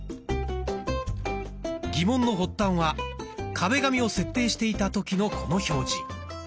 疑問の発端は壁紙を設定していた時のこの表示。